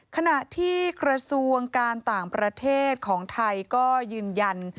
ขณะที่กระทรวงการต่างประเทศของไทยก็ยืนยัน